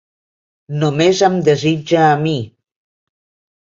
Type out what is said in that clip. Només em desitja a mi...